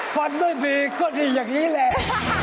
ฟันด้วยดีก็ดีอย่างนี้แหละ